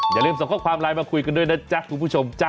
อย่าลืมส่งข้อความไลน์มาคุยกันด้วยนะจ๊ะคุณผู้ชมจ๊ะ